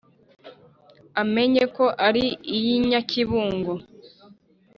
amenye ko ari iy’inyakibungo